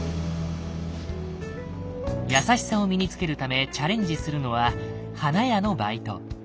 「優しさ」を身につけるためチャレンジするのは花屋のバイト。